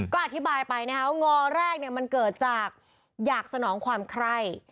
ก็อธิบายไปนะครับว่างอแรกมันเกิดจากอยากสนองความใคร่